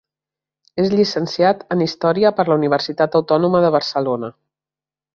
És llicenciat en història per la Universitat Autònoma de Barcelona.